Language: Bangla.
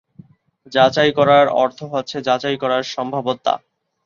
যাচাই করার অর্থ হচ্ছে যাচাই করার সম্ভাব্যতা।